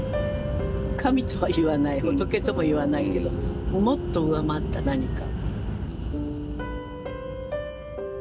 神とは言わない仏とも言わないけどもっと上回った何か。